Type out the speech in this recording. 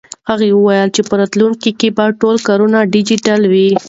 هغه وویل چې په راتلونکي کې به ټول کارونه ډیجیټل وي.